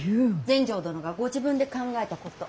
全成殿がご自分で考えたこと。